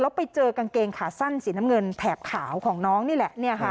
แล้วไปเจอกางเกงขาสั้นสีน้ำเงินแถบขาวของน้องนี่แหละ